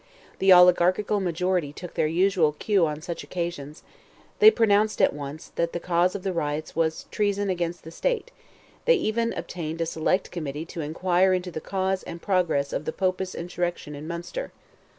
The oligarchical majority took their usual cue on such occasions: they pronounced, at once, that the cause of the riots was "treason against the state;" they even obtained a select committee to "inquire into the cause and progress of the Popish insurrection in Munster."